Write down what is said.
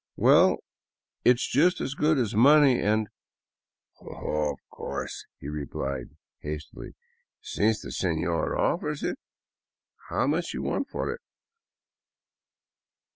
" Well, it is just as good as money and. ..."" Oh, of course," he replied, hastily, " since the senor offers it. How much do you want for it